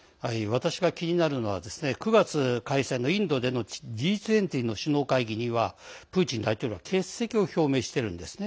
私が気になるのは９月開催のインドでのＧ２０の首脳会議にはプーチン大統領は欠席を表明しているんですね。